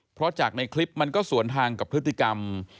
เพราะจากในคลิปมันก็สวนทางกับพฤติกรรม